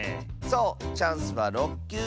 そうチャンスは６きゅう！